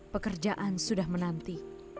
pekerjaan sudah menanti